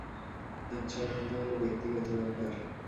আচ্ছা, এখন তাহলে ব্যক্তিগত ব্যাপার?